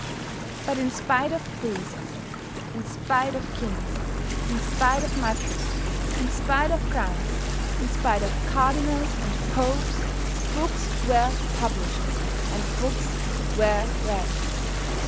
But in spite of priests, in spite of kings, in spite of mitres, in spite of crowns, in spite of Cardinals and Popes, books were published and books were read.